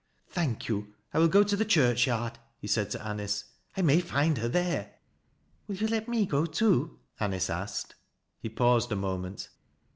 " Thank you. I will go to the church yard," he said to Anice. " I may find her there." " Will you let me go too ?" Anice asked. He paused a moment.